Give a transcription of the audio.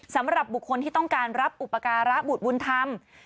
สำหรับบุคคลที่ต้องการรับอุปการะบุตรบุญธรรม